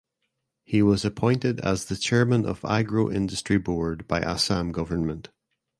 He was appointed as the chairman of Agro Industry Board by Assam Government.